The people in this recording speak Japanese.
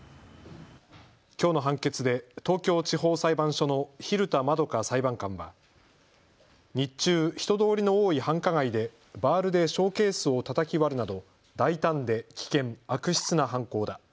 きょうの判決で東京地方裁判所の蛭田円香裁判官は日中、人通りの多い繁華街でバールでショーケースをたたき割るなど大胆で危険、悪質な犯行だ。